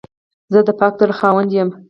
زه د پاک زړه خاوند یم.